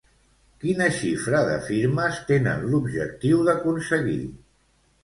Quina xifra de firmes tenen l'objectiu d'aconseguir?